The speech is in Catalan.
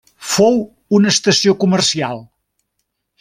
Fou una estació comercial.